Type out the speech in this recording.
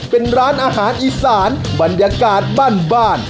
เป็นร้านอาหารอีสานบรรยากาศบ้าน